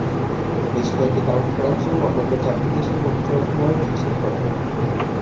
বেশ কয়েকটি কারণ ফ্রান্স ও অন্যান্য চারটি দেশের মধ্যে চূড়ান্তভাবে বিচ্ছেদ ঘটায়।